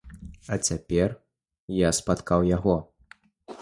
А цяпер я спаткаў яго.